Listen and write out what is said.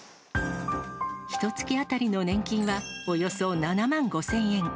ひとつき当たりの年金はおよそ７万５０００円。